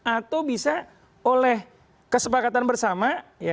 atau bisa oleh kesepakatan bersama